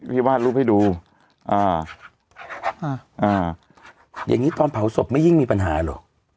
วาดรูปให้ดูอ่าอ่าอย่างงี้ตอนเผาศพไม่ยิ่งมีปัญหาเหรอ